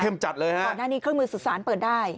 จัดเลยฮะก่อนหน้านี้เครื่องมือสุสานเปิดได้